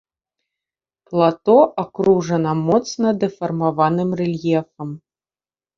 Плато акружана моцна дэфармаваным рэльефам.